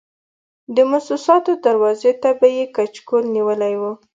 د موسساتو دروازې ته به یې کچکول نیولی و.